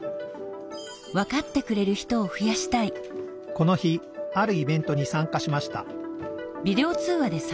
この日あるイベントに参加しました